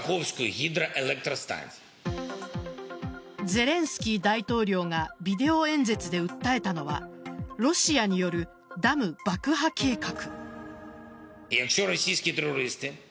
ゼレンスキー大統領がビデオ演説で訴えたのはロシアによるダム爆破計画。